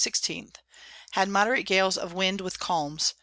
_ Had moderate Gales of Wind with Calms.